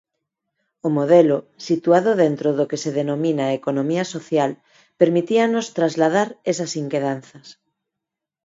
O modelo, situado dentro do que se denomina economía social, permitíanos trasladar esas inquedanzas.